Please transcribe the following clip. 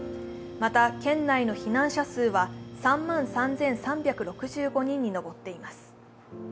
また、県内の避難者数は３万３３６５人に上っています。